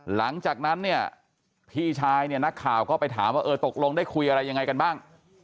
หลังจากนั้นเนี่ยพี่ชายเนี่ยนักข่าวก็ไปถามว่าเออตกลงได้คุยอะไรยังไงกันบ้าง